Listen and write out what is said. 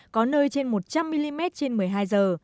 có nơi trên một trăm linh mm trên một mươi hai giờ